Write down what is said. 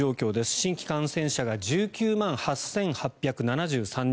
新規感染者が１９万８８７３人。